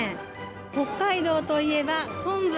北海道といえば昆布。